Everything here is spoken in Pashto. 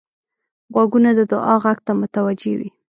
غوږونه د دعا غږ ته متوجه وي